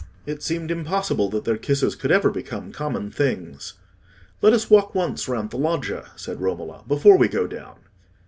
It seemed impossible that their kisses could ever become common things. "Let us walk once round the loggia," said Romola, "before we go down."